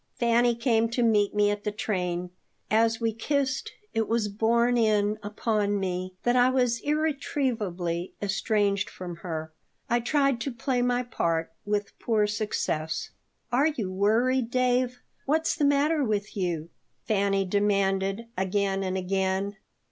Fanny came to meet me at the train. As we kissed it was borne in upon me that I was irretrievably estranged from her. I tried to play my part, with poor success "Are you worried, Dave? What's the matter with you?" Fanny demanded again and again.